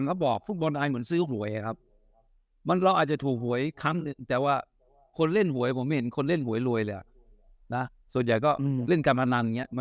อย่างงี้มันก็จริงจริงแล้วเขาบอกฟุตบอลไทยก็คือการพนันนะครับ